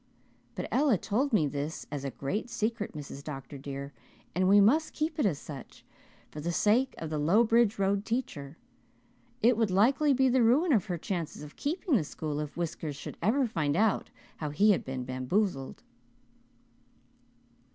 But Ella told me this as a great secret, Mrs. Dr. dear, and we must keep it as such, for the sake of the Lowbridge Road teacher. It would likely be the ruin of her chances of keeping the school if Whiskers should ever find out how he had been bamboozled."